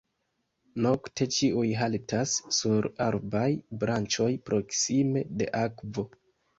Nokte ĉiuj haltas sur arbaj branĉoj proksime de akvo.